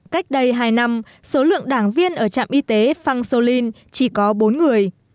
cách đây hai năm số lượng đảng viên ở trạm y tế phanxolin chỉ có bốn người